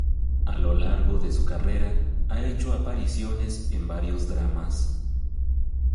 A lo largo de su carrera ha hecho apariciones en varios dramas.